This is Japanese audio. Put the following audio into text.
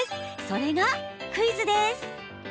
それがクイズです。